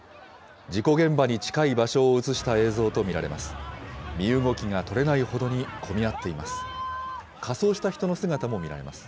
事故現場に近い場所を写した映像と見られます。